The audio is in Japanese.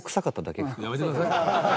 やめてください。